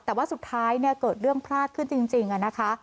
แต่ว่าสุดท้ายเนี่ยเกิดเรื่องพลาดขึ้นจริงนะคะ